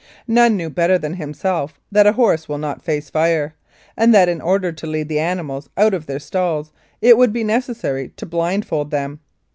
None knew better than himself that a horse will not face fire, and that in order to lead the animals out of their stalls it would be necessary to blindfold them.